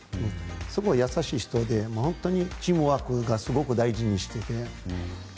すごい優しい人で本当にチームワークをすごく大事にしていて。